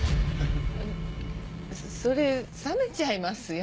それ冷めちゃいますよ。